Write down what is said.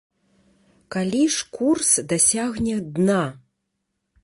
Калі ж курс дасягне дна?